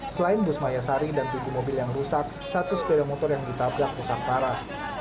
selain bus mayasari dan tujuh mobil yang rusak satu sepeda motor yang ditabrak rusak parah